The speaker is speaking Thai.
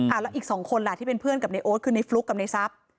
แล้วอีกสองคนล่ะที่เป็นเพื่อนกับในโอ๊ตคือในฟลุ๊กกับในทรัพย์